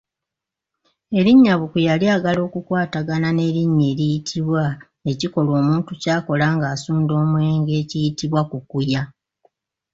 Erinnya Bukuya lyagala okukwatagana n’erinnya eriyitibwa ekikolwa omuntu ky’akola nga asunda omwenge ekiyitibwa Kukuya.